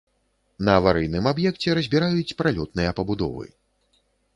На аварыйным аб'екце разбіраюць пралётныя пабудовы.